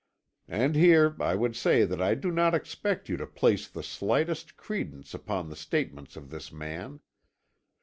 "And here I would say that I do not expect you to place the slightest credence upon the statements of this man.